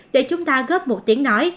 để chúng ta góp một tiếng nói